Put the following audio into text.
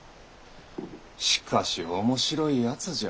しかし面白いやつじゃ。